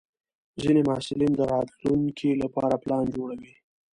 ځینې محصلین د راتلونکي لپاره پلان جوړوي.